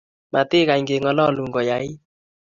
Matikany keng'olonun ko yait